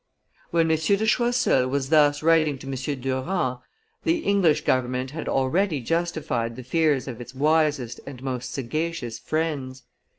When M. de Choiseul was thus writing to M. Durand, the English government had already justified the fears of its wisest and most sagacious friends.